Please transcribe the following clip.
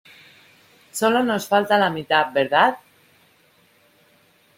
Sólo nos falta la mitad, ¿verdad?